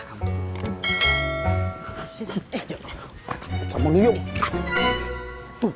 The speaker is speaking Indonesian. kamu gak bikin masalah